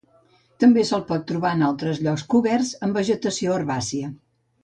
També se'l pot trobar en altres llocs coberts amb vegetació herbàcia.